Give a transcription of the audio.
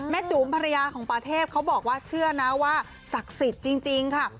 จุ๋มภรรยาของปาเทพเขาบอกว่าเชื่อนะว่าศักดิ์สิทธิ์จริงค่ะ